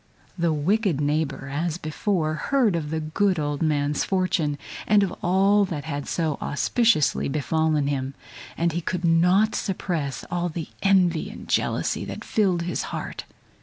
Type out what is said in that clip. The wicked neighbor, as before, heard of the good old man's fortune, and of all that had so auspiciously befallen him, and he could not suppress all the envy and jealousy that filled his heart.